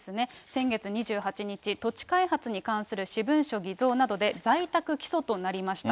先月２８日、土地開発に関する私文書偽造などで在宅起訴となりました。